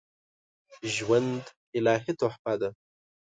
ژوند الهي تحفه ده